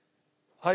はい。